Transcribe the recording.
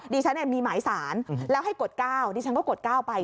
ดิฉันเนี่ยมีหมายสารแล้วให้กดก้าวดิฉันก็กดก้าวไป